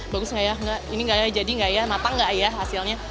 bagus gak ya ini gak ya jadi gak ya matang gak ya hasilnya